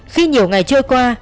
khi nhiều ngày trôi qua